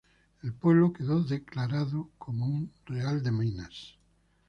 El pueblo quedó declarado como un "real de minas".